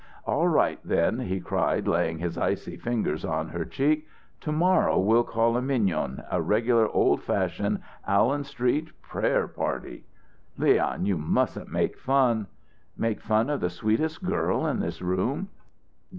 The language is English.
"All right then," he cried, laying his icy fingers on her cheek; "to morrow we'll call a Mignon a regular old fashioned Allen Street prayer party!" "Leon, you mustn't make fun." "Make fun of the sweetest girl in this room?"